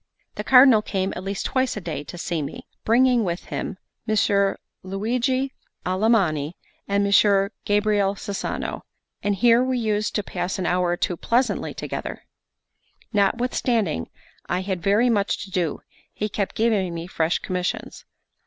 The Cardinal came at least twice a day to see me, bringing with him Messer Luigi Alamanni and Messer Gabriel Cesano; and here we used to pass an hour or two pleasantly together. Notwithstanding I had very much to do, he kept giving me fresh commissions.